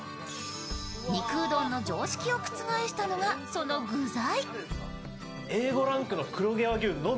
肉うどんの常識を覆したのがその具材。